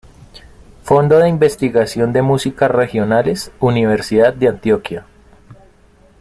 Fondo de Investigación de Músicas Regionales-Universidad de Antioquia.